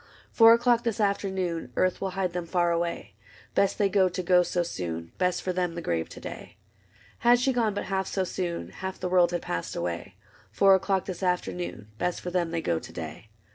Four o'clock this afternoon, Earth will hide them far away : Best they go to go so soon. Best for them the grave to day. Had she gone but half so soon. Half the world had passed away. Four o'clock this afternoon. Best for them they go to day.